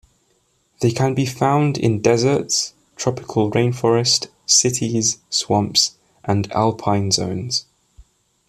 They can be found in deserts, tropical rainforest, cities, swamps, and alpine zones.